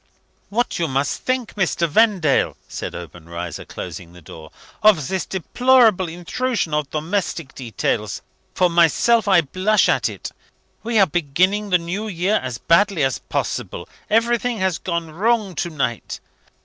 "What must you think, Mr. Vendale," said Obenreizer, closing the door, "of this deplorable intrusion of domestic details? For myself, I blush at it. We are beginning the New Year as badly as possible; everything has gone wrong to night.